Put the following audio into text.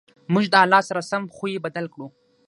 موږ د حالت سره سم خوی بدل کړو.